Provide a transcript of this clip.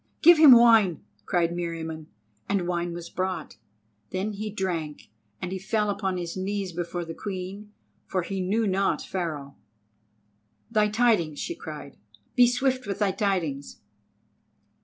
"Give him wine," cried Meriamun, and wine was brought. Then he drank, and he fell upon his knees before the Queen, for he knew not Pharaoh. "Thy tidings!" she cried. "Be swift with thy tidings."